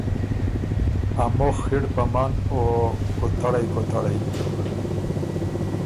ا مُخ خِړ پمن او کُوتړئ کُوتړئ بیوک